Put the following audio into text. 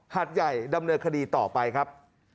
หัดใหญ่ดำเนินคดีต่อไปครับ